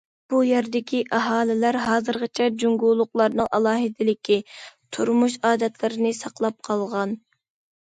بۇ يەردىكى ئاھالىلەر ھازىرغىچە جۇڭگولۇقلارنىڭ ئالاھىدىلىكى، تۇرمۇش ئادەتلىرىنى ساقلاپ قالغان.